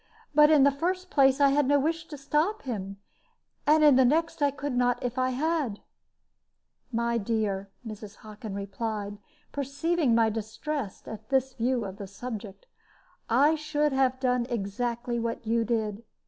But in the first place, I had no wish to stop him; and in the next, I could not if I had." "My dear," Mrs. Hockin replied, perceiving my distress at this view of the subject, "I should have done exactly what you did.